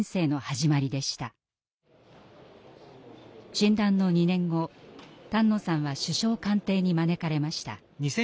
診断の２年後丹野さんは首相官邸に招かれました。